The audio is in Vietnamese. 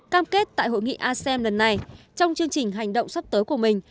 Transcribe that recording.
cam kết tại hội nghị asem lần này trong chương trình hành động sắp tới của mình